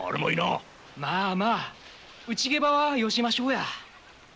まあまあ内ゲバはよしましょうや。